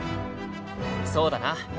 そうだな。